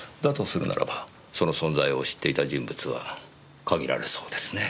するならばその存在を知っていた人物は限られそうですね。